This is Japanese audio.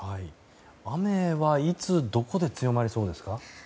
雨はいつ、どこで強まりそうですか？